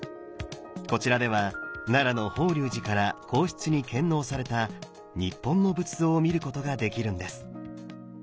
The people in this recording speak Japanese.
こちらでは奈良の法隆寺から皇室に献納された日本の仏像を見ることができるんです。